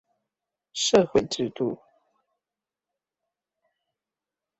社會制度